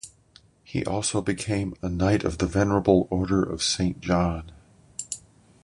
He also became a Knight of the Venerable Order of Saint John.